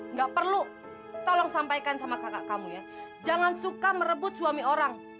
nggak perlu tolong sampaikan sama kakak kamu ya jangan suka merebut suami orang